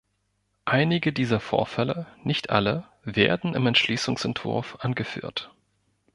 Einige dieser Vorfälle, nicht alle, werden im Entschließungsentwurf angeführt.